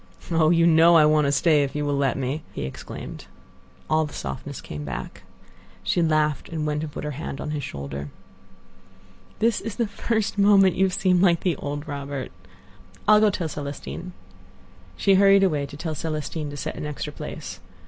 "Oh! you know I want to stay if you will let me!" he exclaimed. All the softness came back. She laughed, and went and put her hand on his shoulder. "This is the first moment you have seemed like the old Robert. I'll go tell Celestine." She hurried away to tell Celestine to set an extra place.